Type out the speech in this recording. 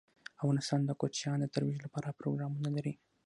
افغانستان د کوچیان د ترویج لپاره پروګرامونه لري.